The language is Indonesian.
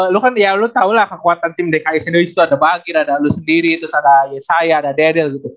lo kan ya lo tau lah kekuatan tim dki sendawis tuh ada bagir ada lo sendiri terus ada saya ada daryl gitu